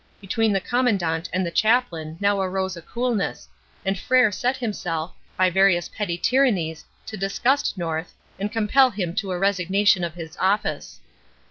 Between the Commandant and the chaplain now arose a coolness, and Frere set himself, by various petty tyrannies, to disgust North, and compel him to a resignation of his office.